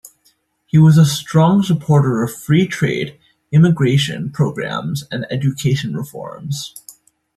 He was a strong supporter of free trade, immigration programmes and education reforms.